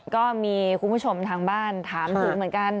ก็มีคุณผู้ชมทางบ้านถามถึงเหมือนกัน